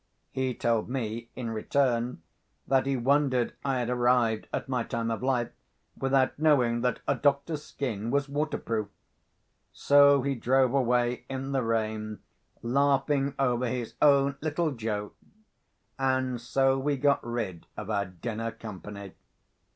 He told me, in return, that he wondered I had arrived at my time of life, without knowing that a doctor's skin was waterproof. So he drove away in the rain, laughing over his own little joke; and so we got rid of our dinner company.